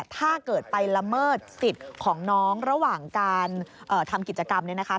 ถ้าเกิดไปละเมิดสิทธิ์ของน้องระหว่างการทำกิจกรรมเนี่ยนะคะ